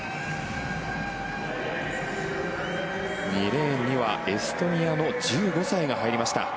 ２レーンにはエストニアの１５歳が入りました。